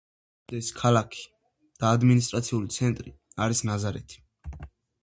რაიონის უდიდესი ქალაქი და ადმინისტრაციული ცენტრი არის ნაზარეთი.